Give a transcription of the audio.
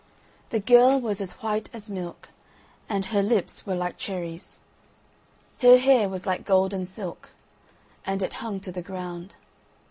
The girl was as white as milk, and her lips were like cherries. Her hair was like golden silk, and it hung to the ground.